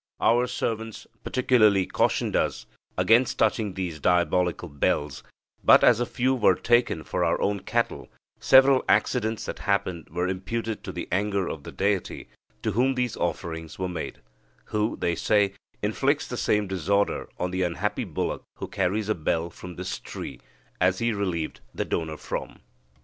Our servants particularly cautioned us against touching these diabolical bells; but, as a few were taken for our own cattle, several accidents that happened were imputed to the anger of the deity to whom these offerings were made, who, they say, inflicts the same disorder on the unhappy bullock who carries a bell from this tree as he relieved the donor from."